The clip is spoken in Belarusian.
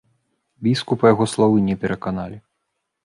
Біскупа яго словы не пераканалі.